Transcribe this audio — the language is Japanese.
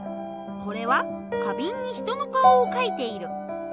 これは花瓶に人の顔をかいている。